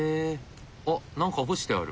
あっ何か干してある。